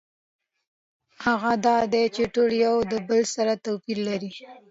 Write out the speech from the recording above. هغه دا دی چې ټول یو د بل سره توپیر لري.